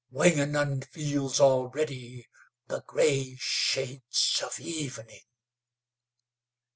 Wingenund feels already the gray shades of evening."